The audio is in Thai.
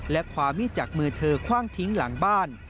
และความมีดจากมือเธอคว่างทิ้งหลังบ้าน